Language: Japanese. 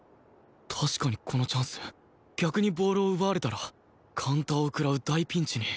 確かにこのチャンス逆にボールを奪われたらカウンターを食らう大ピンチに